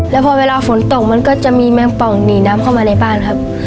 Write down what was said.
แล้วพอเวลาฝนตกมันก็จะมีแมงป่องหนีน้ำเข้ามาในบ้านครับ